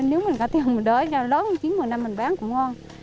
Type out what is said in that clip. nếu mình có tiền mình đợi cho lớn chín một mươi năm mình bán cũng ngon